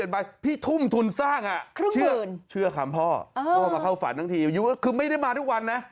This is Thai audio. ใบพี่ทุ่มทุนสร้างเชื่อคำพ่อพ่อมาเข้าฝันทั้งทีอายุก็คือไม่ได้มาทุกวันนะ